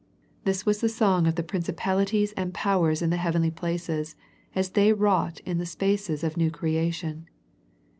This was the song of the principalities and powers in the heavenly places as they wrought in the spaces of new creation.